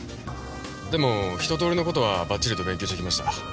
でも一通りの事はバッチリと勉強してきました。